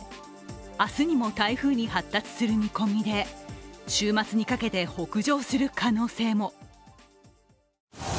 明日にも台風に発達する見込みで週末にかけて北上する可能性も。